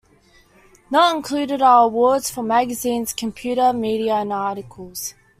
Not included are awards for magazines, computer media and articles.